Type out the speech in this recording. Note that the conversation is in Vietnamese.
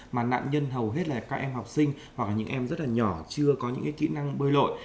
mà nạn nhân hầu hết là các em học sinh hoặc là những em rất là nhỏ chưa có những kỹ năng bơi lội